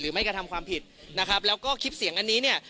ไม่กระทำความผิดนะครับแล้วก็คลิปเสียงอันนี้เนี่ย